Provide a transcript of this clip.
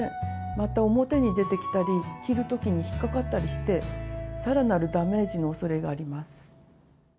また表に出てきたり着る時に引っ掛かったりしてさらなるダメージのおそれがあります。